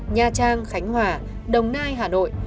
nha trang khánh hòa đồng nai hà nội